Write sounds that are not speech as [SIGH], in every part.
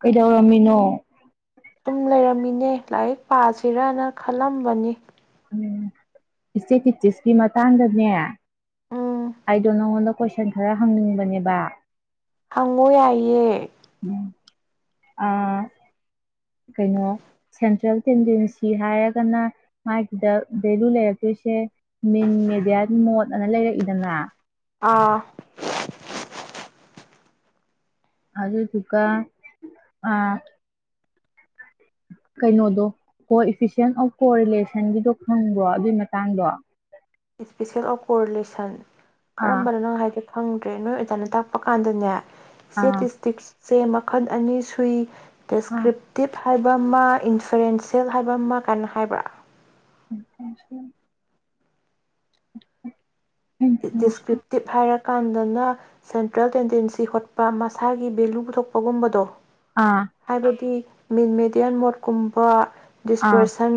ꯀꯩꯗꯧꯔꯝꯃꯤꯅꯣ ꯑꯗꯨꯨꯝ ꯂꯩꯔꯝꯃꯤꯅꯦ ꯂꯥꯏꯔꯤꯛ ꯄꯥꯁꯤꯔꯅ ꯈꯜꯂꯝꯕꯅꯤ ꯏꯆꯦ ꯀꯦꯆꯤꯁꯀꯤ ꯃꯇꯥꯡꯗꯅꯦ ꯎꯝ ꯑꯩꯗꯣ ꯅꯪꯉꯣꯟꯗ ꯀꯣꯏꯁꯟ ꯈꯔ ꯍꯪꯅꯤꯡꯕꯅꯦꯕ ꯍꯪꯉꯣ ꯌꯥꯏꯌꯦ ꯑ ꯀꯩꯅꯣ ꯁꯦꯟꯇ꯭ꯔꯦꯜ ꯇꯦꯟꯗꯦꯟꯁꯤ ꯍꯥꯏꯔꯒꯅ ꯃꯥꯒꯤꯗ ꯚꯦꯂꯨ ꯂꯩꯔꯛꯇꯣꯏꯁꯦ ꯗꯤ ꯃ [UNINTELLIGIBLE] ꯑꯗꯨ ꯑꯥ ꯑꯗꯨ ꯊꯀ ꯑ ꯀꯩꯅꯣꯗꯣ ꯀꯣ ꯏꯐꯤꯁꯟ ꯑꯣꯐ ꯀꯣ ꯔꯤꯂꯦꯁꯟꯒꯤꯗꯣ ꯈꯪꯕ꯭ꯔꯣ ꯑꯗꯨꯏ ꯃꯇꯥꯡꯗꯣ ꯏꯁꯄꯤꯁꯦꯜ ꯑꯣꯀꯣꯔꯤꯂꯦꯁꯟ ꯑꯥ ꯀꯔꯝꯕꯅꯣ ꯅꯪ ꯍꯥꯏꯗꯨ ꯐꯪꯗ꯭ꯔꯦ ꯅꯣꯏ ꯑꯣꯖꯥꯅ ꯇꯥꯛꯄ ꯀꯥꯟꯗꯅꯦ ꯑꯥ ꯁꯦꯇ ꯏꯁꯇꯤ ꯆꯦ ꯃꯈꯜ ꯑꯅꯤ ꯁꯨꯏ ꯑꯥ ꯗꯗꯤꯁꯀ꯭ꯔꯤꯞꯇꯤꯞ ꯍꯥꯏꯕ ꯑꯃ ꯏꯟꯐ꯭ꯂꯨꯌꯦꯟꯁꯑꯦꯜ ꯍꯥꯏꯕ ꯑꯃ ꯀꯥꯏꯅ ꯍꯥꯏꯕ꯭ꯔꯥ ꯎ ꯗꯤꯁꯀ꯭ꯔꯤꯞꯇꯤꯞ ꯍꯥꯏꯔꯒ ꯀꯥꯟꯗꯅ ꯁꯦꯟꯇ꯭ꯔꯦꯜ ꯇꯦꯟꯗꯦꯟꯁꯤ ꯍꯣꯠꯄ ꯃꯁꯥꯒꯤ ꯚꯦꯂꯨ ꯄꯨꯊꯣꯛꯄꯒꯨꯝꯕꯗꯣ ꯑꯥ ꯍꯥꯏꯕꯗꯤ ꯃꯤꯟ ꯃꯦꯗꯤꯌꯥꯟ ꯃꯣꯠ ꯀꯨꯝꯕ ꯄꯔꯁꯟ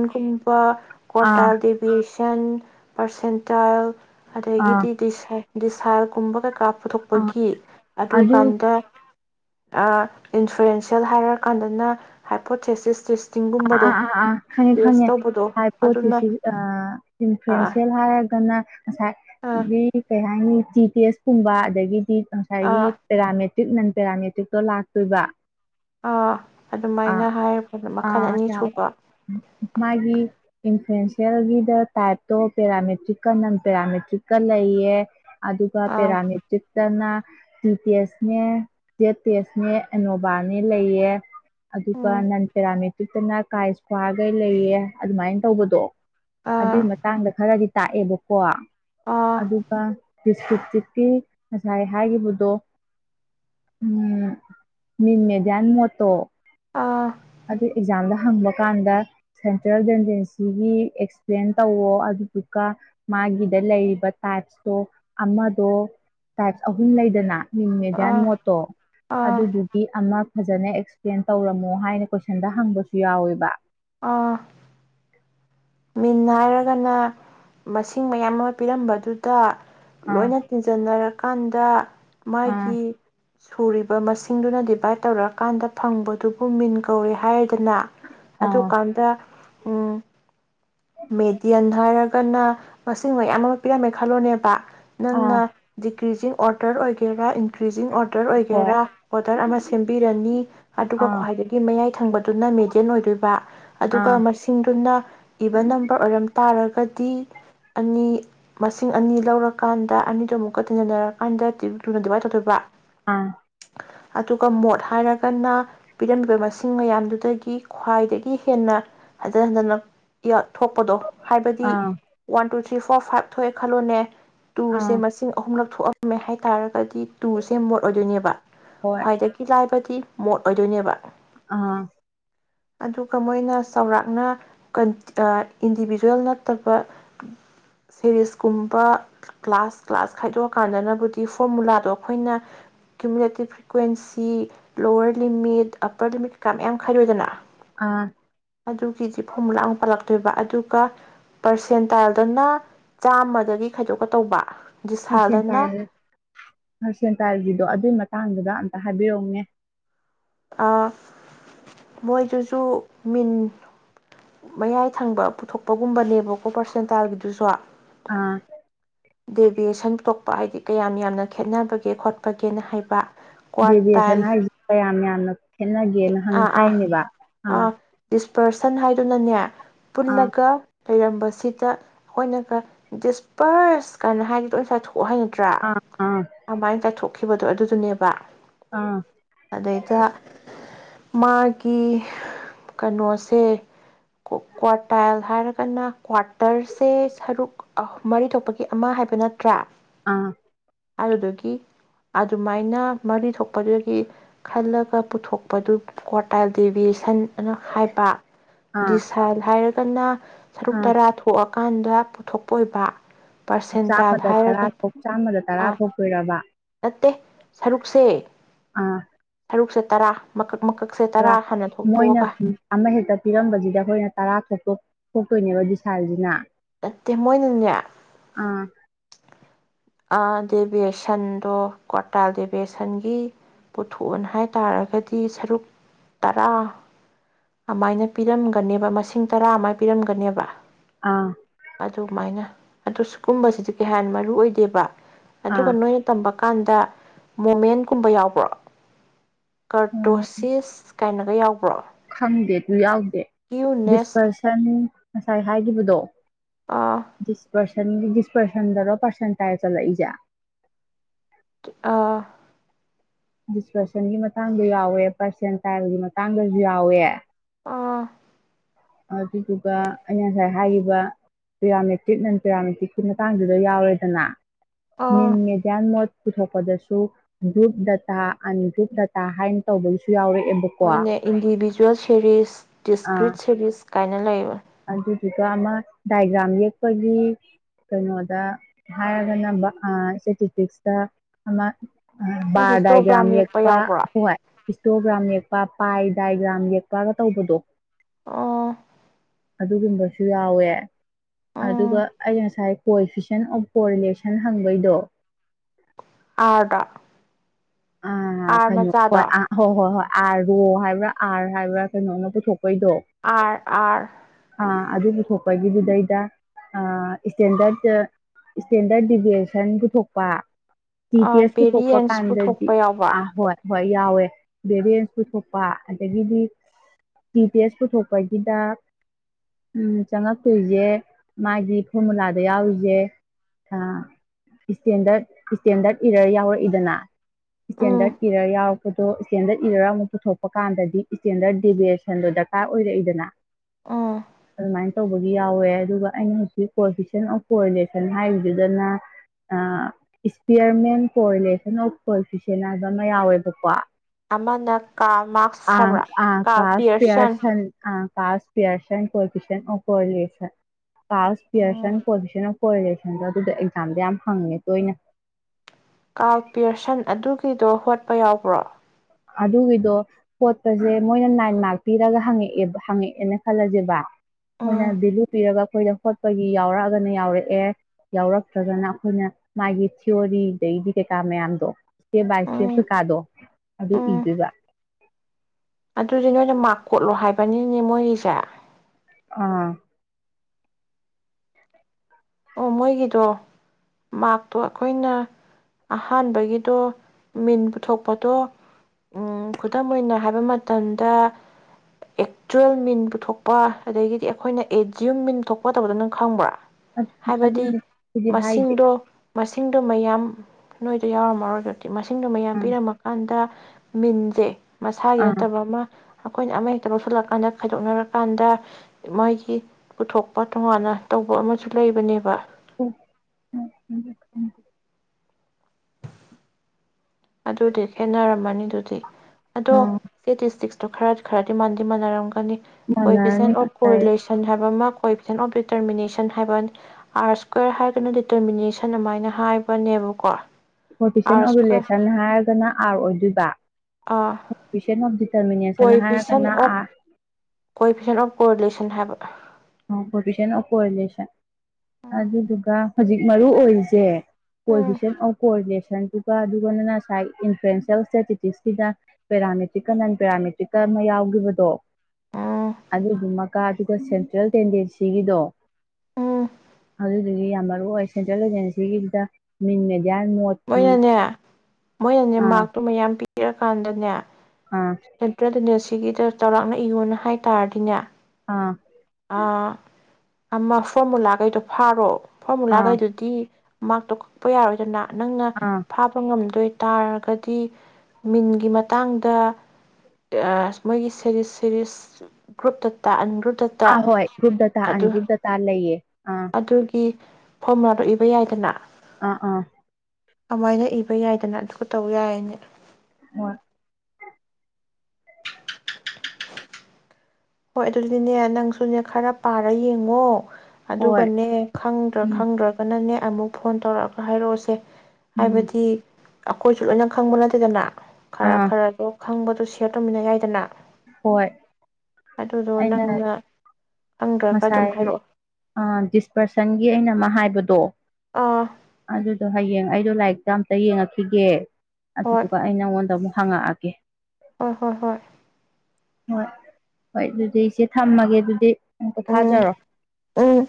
ꯋꯥ ꯑꯥ ꯀꯇꯥ ꯦꯕꯤꯁ ꯇꯦꯟ ꯄꯥꯔꯁꯦꯟꯇꯥꯏꯜ ꯑꯥ ꯑꯗꯒꯤꯗꯤꯗꯤ ꯗꯤꯁ ꯗꯤꯁꯥꯔ ꯀꯨꯝꯕ ꯀꯦ ꯀꯥꯞ ꯑꯥ ꯄꯨꯊꯣꯛꯄꯒꯤ ꯑꯗꯨ ꯀꯥꯟꯗ ꯏꯟꯐ꯭ꯂꯨꯌꯦꯟꯁꯤꯦꯜ ꯍꯥꯏꯔ ꯀꯥꯟꯗꯅ ꯍꯥꯏꯄꯣꯊꯦꯁꯤꯁ ꯑꯥ ꯑꯥ ꯇꯦꯁꯇꯤꯡꯒꯨꯝꯕꯗꯣ ꯑꯥ ꯑꯥ ꯈꯪꯉꯦ ꯇꯦꯁ ꯈꯪꯉꯦ ꯇꯧꯕꯗꯣ ꯍꯥꯏ ꯑꯗꯨꯅ ꯄꯣꯠꯇꯤꯁꯤ ꯑꯥ ꯏꯟꯐ꯭ꯂꯨꯌꯦꯟꯁꯤꯌꯦꯜ ꯍꯥꯏꯔꯒꯅ ꯑꯥ ꯉꯁꯥꯢꯒꯤ ꯀꯩ ꯍꯥꯢꯅꯤ ꯇꯤ ꯇꯦꯁ ꯀꯨꯝꯕ ꯑꯗꯒꯤꯗꯤ ꯉꯁꯥꯏꯒꯤ ꯑꯥ ꯄꯦꯔꯥꯃꯤꯠ ꯇ꯭ꯔꯤꯠꯃꯦꯟ ꯄꯦꯔꯥꯃꯦꯇꯤꯛꯇꯣ ꯂꯥꯛꯇꯣꯏꯕꯥ꯫ ꯑꯥ ꯑꯗꯨꯃꯥꯏꯅ ꯍꯥꯏꯔ [UNINTELLIGIBLE] ꯑ ꯌꯥ ꯃ ꯃꯥꯒꯤ ꯏꯟꯐ꯭ꯂꯨꯌꯦꯟꯁꯤꯑꯦꯜꯒꯤꯗ ꯇꯥꯏꯞꯇꯣ ꯄꯦꯔꯥꯃꯦꯇ꯭ꯔꯤꯛꯀ ꯅꯟ ꯄꯦꯔꯥꯃꯦꯇ꯭ꯔꯤꯛꯀ ꯂꯩꯌꯦ꯫ ꯑꯗꯨꯒ ꯑ ꯄꯦꯔꯥꯃꯦꯇ꯭ꯔꯤꯛꯇꯅꯥ ꯇꯤ ꯇꯦꯁꯅꯦ ꯖꯦꯠ ꯇꯦꯁꯅꯦ ꯑꯦꯅꯣꯚꯥꯅꯦ ꯂꯩꯌꯦ ꯑꯗꯨꯒ ꯎꯝ ꯅꯟ ꯄꯦꯔꯥꯃꯤꯠ ꯇꯤꯛꯇꯅ ꯀꯥꯏ ꯏꯁꯈ꯭ꯋꯥꯒꯩ ꯂꯩꯌꯦ ꯑꯗꯨꯃꯥꯏꯟ ꯇꯧꯕꯗꯣ ꯑ ꯑꯗꯨꯏ ꯃꯇꯥꯡꯗ ꯈꯔꯗꯤ ꯇꯥꯛꯑꯦꯕꯀꯣ ꯑ ꯑꯗꯨꯒꯥ ꯗꯤꯁꯀ꯭ꯔꯤꯞꯇꯤꯚꯀꯤ ꯉꯁꯥꯏ ꯍꯥꯏꯒꯤꯕꯗꯣ ꯎꯝ ꯃꯤꯟ ꯃꯦꯗꯤꯌꯥꯟ ꯃꯣꯠ ꯇꯣ ꯑ ꯑꯗꯨ ꯑꯦꯛꯖꯥꯝꯗ ꯍꯪꯕ ꯀꯥꯟꯗ ꯁꯦꯟꯇ꯭ꯔꯦꯜ ꯇꯦꯟꯗꯦꯟꯁꯤꯒꯤ ꯑꯦꯛꯁꯄ꯭ꯂꯦꯟ ꯇꯧꯋꯣ ꯑꯗꯨꯗꯨꯒ ꯃꯥꯒꯤꯗ ꯂꯩꯔꯤꯕ ꯇꯥꯏꯞꯁꯇꯣ ꯑꯃꯗꯣ ꯇꯥꯏꯞꯁ ꯑꯍꯨꯝ ꯂꯩꯗꯅꯥ? ꯃꯤꯟ ꯃꯦꯗꯥꯟ ꯑ ꯃꯣꯠꯇꯣ ꯑ ꯑꯗꯨꯗꯨꯒꯤ ꯑꯃ ꯐꯖꯅ ꯑꯦꯛꯁꯄ꯭ꯂꯦꯟ ꯇꯧꯔꯝꯃꯣ ꯍꯥꯏꯅ ꯀꯣꯏꯁꯟꯗ ꯍꯪꯕꯁꯨ ꯌꯥꯎꯋꯦꯕ ꯑꯥ ꯃꯤꯟ ꯍꯥꯏꯔꯒꯅ ꯃꯁꯤꯡ ꯃꯌꯥꯝ ꯑꯃ ꯄꯤꯔꯝꯕꯗꯨꯗ ꯑꯥ ꯂꯣꯏꯅ ꯇꯤꯟꯖꯟꯅꯔꯛ ꯀꯟꯗ ꯑꯥ ꯃꯥꯒꯤ ꯁꯨꯔꯤꯕ ꯃꯁꯤꯡꯗꯨꯅ ꯗꯤꯚꯥꯏꯠ ꯇꯧꯔꯛꯀꯥꯟꯗ ꯐꯪꯕꯗꯨꯕꯨ ꯃꯤꯟ ꯀꯧꯔꯦ ꯍꯥꯏꯔ ꯗꯅ ꯑꯥ ꯑꯗꯨꯀꯥꯟꯗ ꯎꯝ ꯃꯦꯗꯤꯌꯟ ꯍꯥꯏꯔꯒꯅ ꯃꯁꯤꯡ ꯃꯌꯥꯝ ꯑꯃ ꯄꯤꯔꯝꯃꯦ ꯈꯜꯂꯣꯅꯦꯕ ꯑꯥ ꯅꯪꯅ ꯭ꯏꯔꯤꯖꯤꯡ ꯋꯥꯇꯔ ꯑꯣꯏꯒꯦꯔꯥꯟ ꯒ꯭ꯔꯤꯖꯤꯡ ꯑꯣꯗꯔ ꯍꯣꯏ ꯑꯣꯏꯒꯦꯔꯥ ꯑꯣꯔꯗꯔ ꯑꯃ ꯁꯦꯝꯕꯤꯔꯅꯤ ꯑꯗꯨꯒ ꯑꯥ ꯈ꯭ꯋꯥꯏꯗꯒꯤ ꯃꯌꯥꯏ ꯊꯪꯕꯗꯨꯅ ꯃꯦꯗꯤꯌꯟ ꯑꯣꯏꯗꯣꯏꯕ ꯑꯗꯨꯒ ꯑꯥ ꯃꯁꯤꯡꯗꯨꯅ ꯏꯚꯟ ꯅꯝꯕꯔ ꯑꯣꯏꯔꯝ ꯇꯥꯔꯒꯗꯤ ꯑꯅꯤ ꯃꯁꯤꯡ ꯑꯅꯤ ꯂꯧꯔꯀꯥꯟꯗ ꯑꯅꯤꯗꯣ ꯑꯃꯨꯛꯀ ꯇꯤꯟꯖꯟꯅꯔꯀꯥꯟꯗ ꯇ ꯇꯨꯅ ꯗꯤꯚꯥꯏꯠ ꯇꯧꯗꯣꯏꯕ ꯑꯥ ꯑꯗꯨꯒ ꯃꯣꯠ ꯍꯥꯏꯔꯒꯅ ꯄꯤꯔꯝꯃꯤꯕ ꯃꯁꯤꯡ ꯃꯌꯥꯝꯗꯨꯗꯒꯤ ꯈ꯭ꯋꯥꯏꯗꯒꯤ ꯍꯦꯟꯅ ꯍꯟꯖꯟ ꯍꯟꯖꯟꯅ ꯌꯥꯠ ꯊꯣꯛꯄꯗꯣ ꯍꯥꯏꯕꯗꯤ ꯑꯥ one two three three four five ꯊꯣꯛꯑꯦ ꯈꯜꯂꯣꯅꯦ ꯇꯨ ꯑꯥ ꯁꯦ ꯃꯁꯤꯡ ꯑꯍꯨꯝꯂꯛ ꯊꯣꯛꯑ ꯃꯦ ꯍꯥꯏꯇꯥꯔꯒꯗꯤ ꯇꯨꯁꯦ ꯃꯣꯠ ꯑꯣꯏꯗꯣꯏꯅꯦꯕ ꯍꯣꯏ ꯈ꯭ꯋꯥꯏꯗꯒꯤ ꯂꯥꯏꯕ ꯇꯤ ꯃꯣꯠ ꯑꯣꯏꯗꯣꯏꯅꯦꯕ꯫ ꯑꯥ꯫ ꯑꯗꯨꯒ ꯃꯣꯢꯅ ꯆꯧꯔꯥꯛꯅ ꯀꯟ [UNINTELLIGIBLE] ꯏꯟꯗꯤꯚꯤꯖ꯭ꯋꯦꯜ ꯅꯠꯇꯕ ꯁꯦꯔꯤꯁ ꯀꯨꯝꯕ ꯀ꯭ꯂꯥꯁ ꯀ꯭ꯂꯥꯁ ꯈꯥꯏꯗꯣꯛꯑꯀꯥꯟꯗꯅꯕꯨꯗꯤ ꯐꯣꯔꯃꯨꯂꯥꯗꯣ ꯑꯈꯣꯏꯅ cumulative frequency, lower limit upper limit ꯀꯩꯀꯥ ꯃꯌꯥꯝ ꯈꯥꯏꯗꯣꯛꯏꯗꯅ꯫ ꯑꯥ꯫ ꯑꯗꯨꯒꯤꯗꯤ ꯐꯣꯃꯨꯂꯥ ꯑꯃꯨꯛ ꯄꯥꯜꯂꯛ ꯇꯨꯏꯕ ꯑꯗꯨꯒꯥ ꯄꯔꯁꯦꯟꯇꯥꯏꯜꯗꯅ ꯆꯥꯝꯃꯗꯒꯤ ꯈꯥꯏꯗꯣꯛꯀ ꯇꯧꯕ꯫ ꯗꯤꯁꯥꯜꯗꯅ ꯄꯔꯁꯦꯟꯇꯥꯢꯜ ꯄꯔꯁꯦꯟꯇꯥꯢꯜꯒꯤꯗꯣ ꯑꯗꯨꯏ ꯃꯇꯥꯡꯗ [UNINTELLIGIBLE] ꯑꯝꯇ ꯍꯥꯏꯕꯤꯔꯛꯎꯅꯦ꯫ ꯑꯥ ꯃꯣꯢꯖꯨꯖꯨ ꯃꯤꯟ ꯃꯌꯥꯢ ꯊꯪꯕ ꯄꯨꯊꯣꯛꯄꯒꯨꯝꯕꯅꯦꯕꯀꯣ ꯄꯔꯁꯦꯟꯇꯥꯢꯜꯒꯤꯗꯨꯖꯨ꯫ ꯑꯥ꯫ ꯗꯦꯚꯤꯌꯦꯁꯟ ꯇꯣꯛꯄ ꯍꯥꯢꯗꯤ ꯀꯌꯥꯝ ꯌꯥꯝꯅ ꯈꯦꯠꯅꯕꯒꯦ ꯈꯣꯠꯄꯒꯦꯅ ꯍꯥꯢꯕꯥ꯫ ꯗꯦꯚꯤꯌꯦꯁꯟ ꯍꯥꯏꯖꯦ ꯀꯌꯥꯝ ꯌꯥꯝꯅ ꯈꯦꯠꯅꯒꯦꯅ ꯍꯪ ꯍꯥꯏꯅꯦꯕꯥ ꯑꯥ꯫ ꯄꯔꯁꯟ ꯍꯥꯏꯗꯨꯅꯅꯦ ꯑꯥ ꯄꯨꯜꯂꯒ ꯂꯩꯔꯝꯕꯁꯤꯗ ꯑꯩꯈꯣꯏꯅꯒ ꯗꯤꯁꯄꯔꯁ ꯀꯥꯏꯅ ꯍꯥꯏꯔꯒꯗꯤꯁꯥ ꯀꯣꯛꯍꯟꯗ꯭ꯔꯥ ꯑꯥ ꯑꯥ ꯀꯃꯥꯏꯅ ꯇꯠꯊꯣꯛ ꯀꯈꯤꯕꯗꯣ ꯑꯗꯨꯗꯨꯅꯦꯕ ꯑꯗꯩꯗ ꯃꯥꯒꯤ ꯀꯩꯅꯣꯁꯦ ꯀ꯭ꯋꯥꯇꯥꯏꯜ ꯍꯥꯏꯔꯒꯅ ꯀ꯭ꯋꯥꯇꯔꯁꯦ ꯁꯔꯨꯛ ꯃꯔꯤ ꯊꯣꯛꯄꯒꯤ ꯑꯃ ꯍꯥꯏꯕ ꯅꯠꯇ꯭ꯔꯥ ꯑꯥ ꯑꯗꯨꯗꯒꯤ ꯑꯗꯨꯃꯥꯏꯅ ꯃꯔꯤ ꯊꯣꯛꯄꯗꯨꯗꯒꯤ ꯈꯜꯂꯒ ꯄꯨꯊꯣꯛꯄꯗꯨ ꯀ꯭ꯋꯥꯇꯥꯏꯜ ꯗꯦꯚꯌꯦꯁꯟ ꯑꯗꯨꯅ ꯍꯥꯏꯕ ꯑꯥ ꯑꯥ ꯗꯤꯁ ꯍꯥꯏꯔꯒ ꯀꯅ ꯁꯔꯨꯛ ꯑꯥ ꯇꯔꯥ ꯊꯣꯛꯑꯒ ꯀꯀꯥꯟꯗ ꯄꯨꯊꯣꯛꯄ ꯑꯣꯏꯕ ꯄꯥꯔꯁꯦꯟꯇꯥꯜ ꯆꯥꯝꯃꯗ ꯇꯔꯥ ꯍꯥꯏꯔꯒ ꯆꯥꯝꯃꯗ ꯇꯔꯥ ꯑꯥ ꯊꯣꯛꯇꯣꯏꯔꯕ ꯅꯠꯇꯦ ꯁꯔꯨꯛꯁꯦ ꯁꯔꯨ ꯄꯁ ꯇꯔꯥ ꯃꯀꯛ ꯃꯀꯛꯁꯦ ꯇꯔꯥ ꯍꯥꯟꯅ ꯃꯣꯏꯅ ꯊꯣꯛꯇꯣꯛꯑꯒ ꯑꯃꯍꯦꯛꯇ ꯄꯤꯔꯝꯕꯁꯤꯗ ꯑꯩꯈꯣꯏꯅ ꯇꯔꯥ ꯊꯣꯛꯇꯣ ꯇꯣꯛ ꯈꯣꯏꯅꯦꯕ ꯗꯤꯁꯥꯜꯁꯤꯅ ꯅꯠꯇꯦ ꯃꯣꯏꯅꯅꯦ ꯗꯦꯚꯦꯁꯟꯗꯣ ꯀ꯭ꯋꯥꯇꯥꯜ ꯗꯦꯚꯦꯁꯟꯒꯤ ꯄꯨꯊꯣꯛꯑꯣꯅ ꯍꯥꯏ ꯇꯥꯔꯒꯗꯤ ꯁꯔꯨꯛ ꯇꯔꯥ ꯑꯃꯥꯏꯅ ꯄꯤꯔꯝꯒꯅꯦꯕ ꯃꯁꯤꯡ ꯇꯔꯥ ꯑꯃꯥꯏ ꯄꯤꯔꯝꯒꯅꯦꯕ ꯑꯥ ꯑꯗꯨꯃꯥꯏꯅ ꯑꯗꯣ ꯁꯤꯒꯨꯝꯕꯁꯤꯗꯤ ꯀꯥꯍꯦꯟꯅꯥ ꯃꯔꯨ ꯑꯣꯏꯗꯦꯕ ꯑꯗꯨꯒ ꯑꯥ ꯅꯣꯏꯅ ꯇꯝꯕꯛ ꯀꯥꯟꯗ ꯃꯣꯃꯦꯟꯒꯨꯝꯕ ꯌꯥꯎꯕ꯭ꯔꯣ ꯀꯔꯇꯣꯁꯁꯤꯁ ꯀꯥꯏꯅꯒ ꯌꯥꯎꯕ꯭ꯔꯣ ꯈꯪꯗꯦ ꯑꯗꯨ ꯌꯥꯎ ꯀ꯭ꯌꯨꯅꯦꯁ ꯗꯤꯁꯄꯔꯁꯟ ꯉꯁꯥꯏ ꯍꯥꯏꯒꯤꯕꯗꯣ ꯑꯥ ꯗꯤꯁꯄꯔꯁꯟ ꯗꯤꯁꯄꯔꯁꯟ ꯗꯔꯣ ꯄꯔꯁꯦꯟꯇꯥꯏꯜ ꯏꯖ ꯑꯥ ꯗꯤꯄꯔꯁꯟꯒꯤ ꯃꯇꯥꯡꯗ ꯌꯥꯎꯋꯦ ꯄꯔꯁꯟꯇꯥꯏꯜꯒꯤ ꯃꯇꯥꯡꯗꯁꯨ ꯌꯥꯎꯋꯦ ꯑꯥ ꯑꯗꯨꯗꯨꯒ ꯑꯩꯅ ꯉꯁꯥꯏ ꯍꯥꯏꯈꯤꯕ ꯄꯦꯔꯥꯃꯦꯇ꯭ꯔꯤꯛ ꯅꯟ ꯄꯦꯔꯥꯃꯦꯇ꯭ꯔꯤꯛꯀꯤ ꯃꯇꯥꯡꯗꯨꯗ ꯌꯥꯎꯔꯦꯗꯅ ꯅꯤꯟ ꯑꯥ ꯃꯤꯗꯤꯌꯟ ꯄꯦꯠ ꯄꯨꯊꯣꯛꯄꯗꯁꯨ ꯒ꯭ꯔꯨꯞ ꯗꯠ ꯗꯥ ꯑꯟꯐꯤꯠ ꯗꯇꯥ ꯍꯥꯏꯅ ꯇꯧꯗꯣꯏꯁ ꯃꯣꯏꯅ ꯏꯟꯗꯤꯚꯖꯨꯋꯦꯜ ꯁꯦꯔꯤꯁ ꯗꯤꯁꯀ꯭ꯔꯤꯠ ꯁꯦꯔꯤꯁ ꯀꯥꯏꯅ ꯂꯩꯕ꯫ ꯑꯗꯨꯒ ꯑꯃ ꯗꯥꯏꯒ꯭ꯔꯥꯝ ꯌꯦꯛꯄꯒꯤ ꯀꯩꯅꯣꯗ ꯍꯥꯏꯔꯒꯅ ꯕ ꯑꯥ ꯆꯤꯇꯤꯇꯤꯛꯁꯇ ꯑꯃꯥ ꯅꯣꯏ ꯕꯥꯔꯗꯥꯏ ꯍꯤꯁꯇꯣꯒ꯭ꯔꯥꯝ ꯌꯥꯝ ꯌꯦꯛꯄ ꯌꯦꯛꯄꯥ ꯌꯥꯎꯕ꯭ꯔꯣ ꯍꯣꯌ꯫ ꯏꯁꯇꯣꯒ꯭ꯔꯥꯝ ꯌꯦꯛꯄ ꯄꯥꯏ ꯗꯥꯏꯒ꯭ꯔꯥꯝ ꯌꯦꯛꯄꯒ ꯇꯧꯕꯗꯣ꯫ ꯑꯣ꯫ ꯑꯗꯨꯒꯨꯝꯕꯁꯨ ꯌꯥꯎꯋꯦ꯫ ꯎꯝ ꯑꯗꯨꯒ ꯑꯩ ꯉꯁꯥꯏ ꯀꯣꯑꯤꯐꯤꯁꯦꯟ ꯑꯣꯐ ꯀꯣꯔꯤꯂꯦꯁꯟ ꯍꯪꯕꯩꯗꯣ ꯑꯥꯔꯗꯥ꯫ ꯑꯥ ꯀꯩꯅꯣ ꯍꯣꯏ ꯑ ꯍꯣꯏ ꯍꯣꯏ ꯍꯣꯏ꯫ ꯑꯥꯔ ꯔꯣ ꯍꯥꯏꯕ꯭ꯔꯥ ꯑꯥꯔ ꯍꯥꯏꯕ꯭ꯔꯥ ꯀꯩꯅꯣꯅ ꯄꯨꯊꯣꯛ ꯑꯥꯔ ꯑꯥꯔ꯫ ꯑꯥ ꯑꯗꯨ ꯄꯨꯊꯣꯛꯄꯒꯤꯗꯨꯗꯩꯗ ꯑꯥ ꯏꯁꯇꯦꯟꯗꯔꯠ ꯇꯥ ꯏꯁꯇꯦꯟꯗꯔ ꯗꯤꯚꯦꯁꯟ ꯄꯨꯊꯣꯛꯄ꯫ ꯑꯥ ꯇꯤꯇꯦꯁ ꯄꯨꯊꯣꯛꯄ ꯕꯦꯔꯤꯌꯦꯟꯁ ꯀꯥꯟꯗ ꯄꯨꯊꯣꯛꯄ ꯌꯥꯎꯕ ꯑ ꯍꯣꯢ꯫ ꯍꯣꯏ ꯌꯥꯎꯋꯦ ꯕꯦꯔꯤꯌꯦꯁ ꯄꯨꯊꯣꯛꯄ ꯑꯗꯒꯤꯗꯤ ꯄꯤ ꯄꯤꯑꯦꯁ ꯄꯨꯊꯣꯛꯄꯒꯤꯗ ꯑꯨꯝ ꯆꯪꯉꯛꯇꯣꯏꯖꯦ ꯃꯥꯒꯤ ꯐꯣꯝꯃꯨꯂꯥꯗ ꯌꯥꯎꯔꯤꯁꯦ ꯏꯁꯇꯦꯟꯗꯔꯠ ꯏꯁꯇꯦꯟꯗꯔꯠ ꯏꯔꯔ ꯌꯥꯎꯔꯛꯏꯗꯅ ꯎꯝ ꯏꯁꯇꯦꯟꯗꯔꯠ ꯏꯔꯔ ꯌꯥꯎꯔꯛꯕꯗꯣ ꯏꯁꯇꯦꯟꯗꯔꯠ ꯏꯔꯔ ꯑꯃꯨꯛ ꯄꯨꯊꯣꯛꯄ ꯀꯥꯟꯗꯗꯤ ꯏꯁꯇꯦꯟꯗꯔꯠ ꯗꯦꯕꯤꯌꯦꯁꯟꯗꯣ ꯗꯔꯀꯥꯔ ꯑꯣꯏꯔꯛꯏꯗꯅ ꯎꯝ ꯑꯗꯨꯃꯥꯏ ꯇꯧꯕ ꯌꯥꯎꯋꯦ ꯑꯗꯨꯒ ꯑꯩꯅ ꯍꯧꯖꯤꯛ ꯀꯣꯏꯐꯤꯁꯟ ꯑꯣꯐ ꯀꯣꯔꯤꯂꯦꯁꯟ ꯍꯥꯏꯔꯤꯖꯤꯗꯅ ꯏꯁꯄꯤꯌꯥꯔꯃꯦꯟ ꯀꯣꯔꯤꯂꯦꯁꯟ ꯑꯣꯐ ꯀꯣꯏꯐꯤꯁꯦꯟ ꯍꯥꯏꯕ ꯑꯃ ꯌꯥꯎꯋꯦꯕꯀꯣ ꯑꯃꯅ ꯀꯥ ꯃꯥꯁ ꯍꯥꯏꯕꯔ ꯀꯥ Pearson caste Pearson coefficient of correlation. Caste Pearson um coefficient of ꯀꯣꯔꯤꯂꯦꯁꯟꯗꯣ ꯑꯗꯨꯗꯣ ꯑꯦꯛꯖꯥꯝꯗ ꯌꯥꯝ ꯍꯪꯉꯦ ꯇꯣꯏꯅ꯫ ꯀꯥꯜ ꯄꯤꯌꯔꯁꯟ ꯑꯗꯨ ꯑꯗꯨꯏꯗꯣ ꯍꯣꯠꯄ ꯌꯥꯎꯕ꯭ꯔꯣ꯫ ꯑꯗꯨꯒꯤꯗꯣ ꯍꯣꯠꯄꯥꯁꯦ ꯃꯣꯏꯅ ꯅꯥꯏꯟ ꯃꯥꯔꯛ ꯄꯤꯔꯒ ꯍꯪꯉꯛꯑꯦꯕ ꯍꯪꯉꯛꯑꯦꯅ ꯈꯜꯂꯖꯦꯕ ꯃꯣꯏꯅ ꯎꯝ ꯕꯤꯜꯂꯨ ꯄꯤꯔꯒ ꯑꯩꯈꯣꯏꯗ ꯍꯣꯠꯄꯒꯤ ꯌꯥꯎꯔꯛꯑꯒꯅ ꯌꯥꯎꯔꯛꯑꯦ ꯌꯥꯎꯔꯛꯇ꯭ꯔꯒꯅ ꯑꯩꯈꯣꯏꯅ ꯃꯥꯒꯤ ꯊꯤꯌꯣꯔꯤꯗꯩꯗꯤ ꯀꯩꯀꯥ ꯃꯌꯥꯝꯗꯣ ꯏꯁꯇꯦꯞ ꯕꯥꯏ ꯏꯁꯇꯦꯞ ꯎꯝ ꯀꯩꯀꯥꯗꯣ ꯑꯗꯨ ꯎꯝ ꯏꯗꯨꯏꯕꯥ ꯑꯗꯨꯗꯤ ꯅꯣꯏꯅ ꯃꯥꯛ ꯀꯣꯠꯂꯣ ꯍꯥꯏ ꯄꯅꯤꯅꯤ ꯃꯣꯏꯒꯤꯁꯦ ꯑꯥ꯫ ꯑꯣ ꯃꯣꯏꯒꯤꯗꯣ ꯃꯥꯛꯇꯣ ꯑꯈꯣꯏꯅ ꯑꯍꯥꯟꯕꯒꯤꯗꯣ ꯃꯤꯟ ꯄꯨꯊꯣꯛꯄꯗꯣ ꯎꯝ ꯈꯨꯗꯝ ꯑꯣꯏꯅ ꯍꯥꯏꯕ ꯃꯇꯝꯗꯥ ꯑꯦꯛꯆ꯭ꯨꯋꯦꯜ ꯃꯤꯟ ꯄꯨꯊꯣꯛꯄ ꯑꯗꯒꯤꯗꯤ ꯑꯈꯣꯏꯅ ꯑꯦꯖ꯭ꯌꯨꯝ ꯃꯤꯟ ꯄꯨꯊꯣꯛꯄ ꯇꯧꯕꯗꯣ ꯅꯪ ꯈꯪꯕ꯭ꯔꯥ? ꯑꯗꯨꯗꯤ ꯑꯗꯨ ꯍꯥꯏꯕꯗꯤ [UNINTELLIGIBLE] ꯗꯤ ꯍꯥꯏꯗꯦ꯫ ꯃꯁꯤꯡꯗꯣ ꯃꯁꯤꯡꯗꯣ ꯃꯌꯥꯝ ꯅꯣꯏꯗ ꯌꯥꯎꯔꯝꯃꯔꯣꯏ ꯗꯨꯗꯤ꯫ ꯃꯁꯤꯡꯗꯣ ꯃꯌꯥꯝ ꯑꯥ ꯄꯤꯔꯝꯃꯀꯥꯟꯗ ꯃꯤꯟꯖꯦ ꯃꯁꯥꯒꯤ ꯑꯥ ꯅꯠꯇꯕ ꯑꯃ ꯑꯈꯣꯏꯅ ꯑꯃꯍꯦꯛꯇ ꯂꯧꯁꯜꯂ ꯀꯥꯟꯗ ꯈꯥꯏꯗꯣꯛꯅꯔꯀꯥꯟꯗ ꯃꯣꯏꯒꯤ ꯄꯨꯊꯣꯛꯄ ꯇꯣꯉꯥꯟꯅ ꯇꯧꯕ ꯑꯃꯁꯨ ꯂꯩ ꯑꯗꯨꯅꯦꯕ꯫ [UNINTELLIGIBLE] ꯑꯗꯨꯗꯤ ꯈꯦꯠꯅꯔꯝꯃꯅꯤ ꯑꯗꯨꯗꯤ꯫ ꯑꯗꯣ ꯑ ꯁ꯭ꯇꯦꯇꯤꯁꯇꯤꯛꯁ ꯗꯨ ꯈꯔ ꯈꯔꯗꯤ ꯃꯥꯟꯗꯤ ꯃꯥꯟꯅꯔꯝꯒ ꯒꯅꯤ ꯃꯥꯟꯅꯔꯅꯤ ꯀꯣꯢꯐꯤꯁꯦꯟꯠ ꯑꯣꯞ ꯉꯁꯥꯏ ꯀꯣꯔꯤꯂꯦꯁꯟ ꯍꯥꯏꯕ ꯑꯃ ꯀꯣꯏꯐꯤꯁꯦꯟ ꯑꯣꯐ ꯗꯤꯇꯔꯃꯤꯅꯦꯁꯟ ꯍꯥꯏꯕ ꯑꯥꯔ ꯏꯀ꯭ꯋꯦꯔ ꯍꯥꯏꯕꯅ ꯗꯤꯇꯔꯃꯤꯅꯦꯁꯟ ꯑꯗꯨꯃꯥꯏꯅ ꯍꯥꯏꯕꯅꯦꯕꯀꯣ꯫ Coefficient R of square relation ꯍꯥꯏ ꯐꯖꯅ ꯑꯥꯔ ꯑꯣꯏꯗꯣꯏꯕ ꯑꯥ ꯄꯁꯦꯅ ꯅꯝꯗꯤꯇꯔ ꯍꯥꯏꯔꯒꯅ ꯑꯥꯔ ꯀꯣ ꯐꯤꯁꯟ ꯑꯣꯐ ꯀꯣꯔꯤꯂꯦꯁꯟ ꯍꯥꯏꯕ ꯑꯣꯏꯐꯤꯁꯦꯠ ꯑꫭꯝ ꯀꫭꯔꯤꯂꯤꯁꯟ ꯎꯝ ꯑꯗꯨꯗꯨꯒ ꯍꯧꯖꯤꯛ ꯃꯔꯨ ꯑꯣꯏꯔꯤꯁꯦ ꯄꯣꯖꯤꯁꯟ ꯀꯣꯑꯣꯔꯗꯤꯅꯦꯁꯟ ꯑꯗꯨꯒꯅꯅ ꯉꯁꯥꯏ ꯏꯟꯐ꯭ꯂꯨꯦꯟꯁꯤꯦꯜ ꯏꯁꯇꯦꯇꯤꯇꯤꯛꯁꯀꯤꯗ ꯄꯦꯔꯥꯃꯦꯇ꯭ꯔꯤꯛꯀ ꯅꯟ ꯄꯦꯔꯥꯃꯦꯇ꯭ꯔꯤꯛꯀ ꯑꯃ ꯌꯥꯎꯈꯤꯕꯗꯣ ꯎꯝ ꯑꯗꯨꯗꯨꯃꯒ ꯑꯗꯨꯒ ꯇꯦꯜ ꯑꯦꯖꯦꯟꯁꯤꯒꯤꯗꯣ ꯎꯝ ꯑꯗꯨꯗꯨꯒꯤ ꯌꯥꯝ ꯃꯔꯨ ꯑꯣꯏ ꯁꯦꯟꯇ꯭ꯔꯦꯜ ꯑꯦꯖꯦꯟꯁꯤꯒꯤꯗ ꯃꯤ ꯃꯣꯏꯅꯅꯦ ꯃꯣꯏꯅꯅꯦ ꯑꯥ ꯃꯥꯛꯛꯇꯨ ꯃꯌꯥꯝ ꯄꯤ ꯄꯤꯔꯀꯥꯟꯗꯅꯦ ꯑꯥ ꯁꯗ꯭ꯔꯗꯅꯦꯁꯤ ꯁꯤꯒꯤꯗ ꯆꯥꯎꯔꯥꯛꯅ ꯏꯌꯣꯅ ꯍꯥꯏꯇꯥꯔꯗꯤꯅꯦ ꯑꯥ ꯑ ꯑꯃ ꯐꯣꯔꯃꯨꯂꯥꯒꯩꯗꯣ ꯐꯥꯔꯣ ꯑꯥ ꯐꯣꯔꯃꯨꯂꯥꯒꯗꯨꯗꯤ ꯃꯛꯇꯣ ꯀꯛꯄ ꯌꯥꯔꯣꯏꯗꯅ ꯅꯪꯅ ꯑꯥ ꯐꯥꯕ ꯉꯝꯗꯣꯏ ꯇꯥꯔꯒꯗꯤ ꯃꯤꯟꯒꯤ ꯃꯇꯥꯡꯗ ꯃꯣꯏꯒꯤ ꯁꯦꯔꯤꯁ ꯁꯦꯔꯤꯁ ꯒ꯭ꯔꯨꯞꯇꯇꯥ ꯑꯟꯒ꯭ꯔꯨꯞ ꯑꯥ ꯍꯣꯏ ꯒ꯭ꯔꯨꯞ ꯗꯇꯥ ꯑꯟꯒ꯭ꯔꯨꯞ ꯗꯇꯥ ꯂꯩꯌꯦ ꯑꯥ ꯑꯗꯨ ꯑꯗꯨ ꯐꯣꯔꯃꯨꯂꯥꯗꯣ ꯏꯕ ꯌꯥꯏꯗꯅ ꯑꯥ ꯑꯥ ꯀꯃꯥꯏꯅ ꯏꯕ ꯌꯥꯏꯗꯅ ꯑꯗꯨꯒ ꯇꯧ ꯌꯥꯏꯅꯦ ꯍꯣꯏ ꯍꯣꯏ ꯑꯗꯨꯗꯤꯅꯦ ꯅꯪꯁꯨꯅꯦ ꯈꯔ ꯄꯥꯔ ꯌꯦꯡꯉꯣ ꯍꯣꯏ ꯑꯗꯨꯒꯅꯦ ꯈꯪꯗ꯭ꯔꯥ ꯎꯝ ꯈꯪꯗ꯭ꯔꯒꯅꯅꯦ ꯑꯃꯨꯛ ꯐꯣꯟ ꯇꯧꯔꯛꯑꯒ ꯍꯥꯏꯔꯛꯑꯣꯁꯦ ꯎꯝ ꯍꯥꯏꯕꯗꯤ ꯑꯩꯈꯣꯏꯁꯨ ꯂꯣꯏꯅ ꯈꯪꯕ ꯅꯠꯇꯦꯗꯅ ꯈꯔ ꯑꯥ ꯈꯔꯗ ꯈꯪꯕꯗꯨ ꯁꯌꯔ ꯇꯧꯃꯤꯟꯅ ꯌꯥꯏꯗꯅ ꯍꯣꯏ ꯑꯗꯨꯗꯣ ꯑꯩꯅ ꯅꯪꯅ ꯈꯪꯗ꯭ꯔꯒ ꯑꯗꯨꯝ ꯉꯁꯥꯏ ꯍꯥꯏꯔꯛꯑꯣ ꯗꯤꯁꯄꯔꯁꯟꯒꯤ ꯑꯩꯅ ꯑꯃ ꯍꯥꯏꯕꯗ ꯇꯣ ꯑꯥ ꯑꯗꯨꯗꯣ ꯍꯥꯌꯦꯡ ꯑꯩꯗꯣ ꯂꯥꯏꯔꯤꯛꯇ ꯑꯝꯇ ꯌꯦꯡꯉꯛꯈꯤꯒꯦ ꯍꯣꯏ ꯑꯗꯨꯗꯨꯒ ꯑꯩ ꯅꯪꯉꯣꯟꯗ ꯑꯃꯨꯛ ꯍꯪꯉꯛꯑꯒꯦ ꯍꯣꯏ ꯍꯣꯏ ꯍꯣꯏ ꯍꯣꯏ ꯍꯣꯏ ꯑꯗꯨꯗꯤ ꯏꯆꯦ ꯊꯝꯃꯒꯦ ꯑꯗꯨꯗꯤ ꯎꯝ ꯄꯣꯊꯥꯖꯔꯣ ꯎꯝ